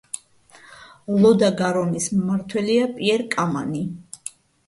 ლო და გარონის მმართველია პიერ კამანი.